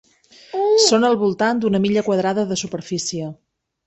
Són al voltant d'una milla quadrada de superfície.